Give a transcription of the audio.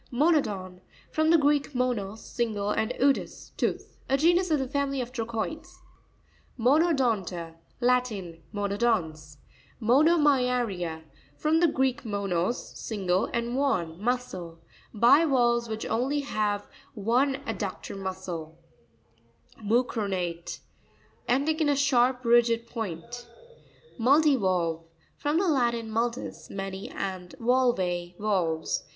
Mo'nopon.—From the Greek, monos, single, and odous, tooth. A genus of the family of Trochoides. Monopon'ta.—Latin. ~ Monodons. Mono'mya'r1A.— From the Greek, monos, single, and mudén, muscle. Bivalves which have only one ad ductor muscle. Mu'cronare.—Ending in a_ sharp, rigid point. Mu'ttivaLtve. — From the Latin, multus, many, and valve, valves.